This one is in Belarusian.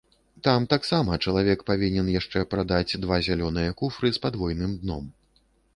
Там таксама чалавек павінен яшчэ прадаць два зялёныя куфры з падвойным дном.